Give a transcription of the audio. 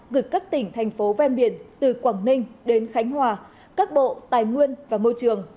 gửi các tỉnh thành phố ven biển từ quảng ninh đến khánh hòa các bộ tài nguyên và môi trường